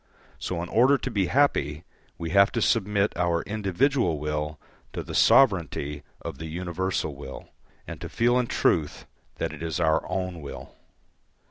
So, in order to be happy, we have to submit our individual will to the sovereignty of the universal will, and to feel in truth that it is our own will.